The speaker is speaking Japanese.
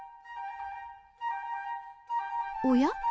おや？